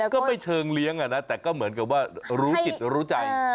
ก็ไม่เชิงเลี้ยงแต่ก็เหมือนกับว่ารู้จิตรู้ใจ